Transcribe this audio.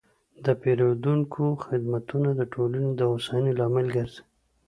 د پیرودونکو خدمتونه د ټولنې د هوساینې لامل ګرځي.